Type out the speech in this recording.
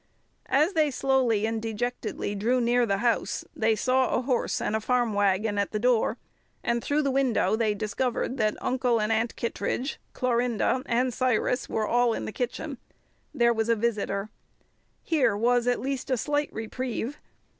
As they slowly and dejectedly drew near the house, they saw a horse and a farm wagon at the door, and through the window they discovered that Uncle and Aunt Kittredge, Clorinda, and Cyrus were all in the kitchen. There was a visitor. Here was at least a slight reprieve.